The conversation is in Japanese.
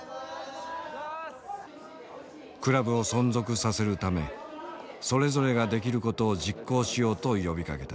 クラブを存続させるためそれぞれができることを実行しようと呼びかけた。